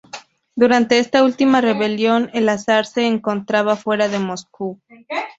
Durante esta última rebelión, el zar se encontraba fuera de Moscú.